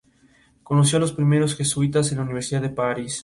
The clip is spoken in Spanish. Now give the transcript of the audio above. Conoció a los primeros jesuitas en la Universidad de París.